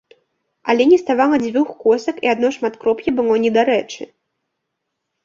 Але не ставала дзвюх косак і адно шматкроп'е было недарэчы.